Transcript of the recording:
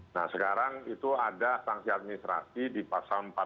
nah sekarang itu ada sanksi administrasi di pasal empat puluh